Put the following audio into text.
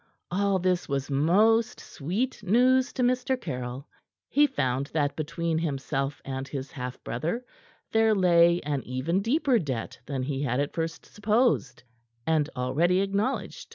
All this was most sweet news to Mr. Caryll. He found that between himself and his half brother there lay an even deeper debt than he had at first supposed, and already acknowledged.